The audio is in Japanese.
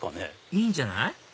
いいんじゃない？